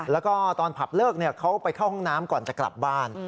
แล้วก็ตอนผับเลิกเขาไปเข้าห้องน้ำก่อนจะกลับบ้าน